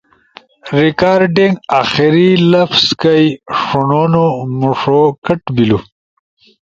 ریکارڈنگ آخری لفظ کئی ݜونونو مݜو کٹ بیلو